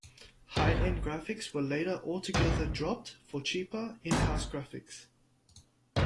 High end graphics were later altogether dropped for cheaper, in-house graphics.